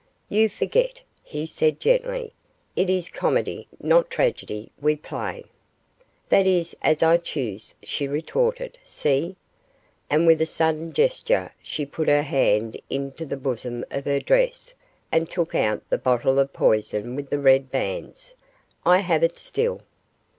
'You forget,' he said, gently; 'it is comedy, not tragedy, we play.' 'That is as I choose,' she retorted; 'see!' and with a sudden gesture she put her hand into the bosom of her dress and took out the bottle of poison with the red bands. 'I have it still.